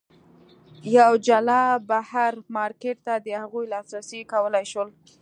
یوه جلا بهر مارکېټ ته د هغوی لاسرسی کولای شول.